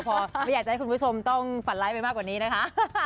พอไม่อยากจะให้คุณผู้ชมต้องฝันร้ายไปมากกว่านี้นะคะ